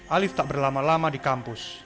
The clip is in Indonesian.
alif tak berlama lama di kampus